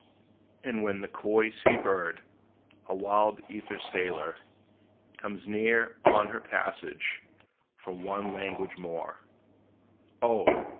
And when the coy sea bird, a wild ether sailor, Comes near on her passage, for one language more, O!